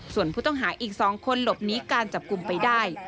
ส่วนผู้ต้องหาอีก๒คนหลบหนีการจับกลุ่มไปได้